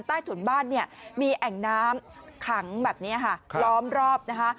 ใต้ถุนบ้านเนี่ยมีแอ่งน้ำขังแบบนี้ค่ะล้อมรอบนะคะ